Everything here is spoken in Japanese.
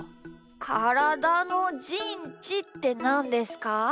からだのじんちってなんですか？